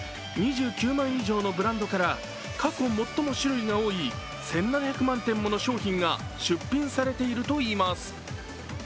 ２９万以上のブランドから過去最も種類が多い１７００万点もの商品が出品されているといいます。